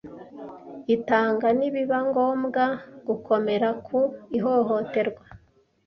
itanga nibiba ngombwa gukomera ku ihohoterwa